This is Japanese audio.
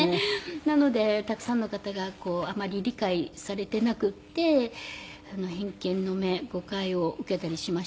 なのでたくさんの方があまり理解されていなくって偏見の目誤解を受けたりしましたけど。